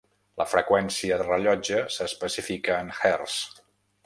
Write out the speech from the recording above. La freqüència de rellotge s'especifica en hertzs.